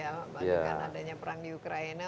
dibandingkan adanya perang di ukraina